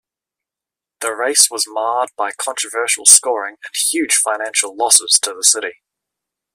The race was marred by controversial scoring and huge financial losses to the city.